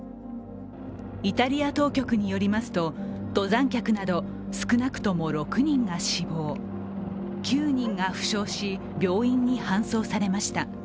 イタリア当局によりますと、登山客など少なくとも６人が死亡、９人が負傷し病院に搬送されました。